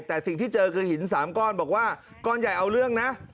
แต่สิ่งที่เจอคือหิน๓ก้อนบอกว่าก้อนใหญ่เอาเรื่องนะ